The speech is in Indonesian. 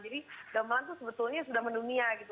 jadi gamelan itu sebetulnya sudah mendunia gitu